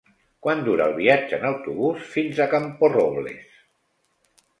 Quant dura el viatge en autobús fins a Camporrobles?